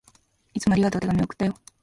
いつもありがとう。手紙、送ったよ。